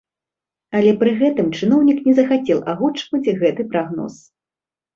Але пры гэтым чыноўнік не захацеў агучваць гэты прагноз.